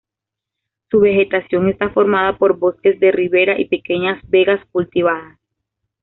Su vegetación está formada por bosque de ribera y pequeñas vegas cultivadas.